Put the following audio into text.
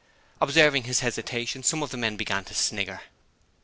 Observing his hesitation, some of the men began to snigger.